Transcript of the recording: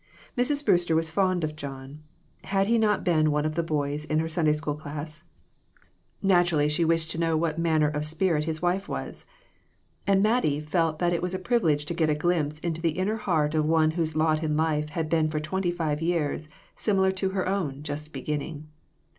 Mrs. Brewster was fond of John. Had he not been one of the boys in her Sunday School class? Naturally she wished to PERSECUTION OF THE SAINTS. 1/9 know of what manner of spirit his wife was. And Mattie felt that it was a privilege to get a glimpse into the inner heart of one whose lot in life had been for twenty five years similar to her own, just beginning.